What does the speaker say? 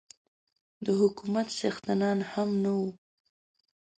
د حکومت څښتنان هم نه وو.